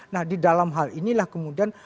nah di dalam hal inilah kemudian